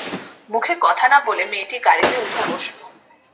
মুখে কথা না বলে মেয়েটি গাড়িতে উঠে বসল।